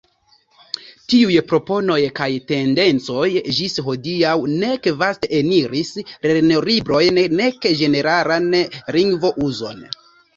Tiuj proponoj kaj tendencoj ĝis hodiaŭ nek vaste eniris lernolibrojn, nek ĝeneralan lingvo-uzon.